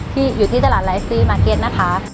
ที่อยู่ที่ตลาดไลฟ์ซีมาร์เก็ตนะครับ